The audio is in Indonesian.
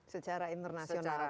secara internasional kan